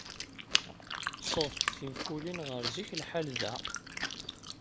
Sɣet-d tinfulin ɣef zik lḥal da.